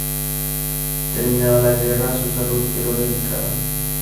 Terminada la guerra, su salud quedó delicada.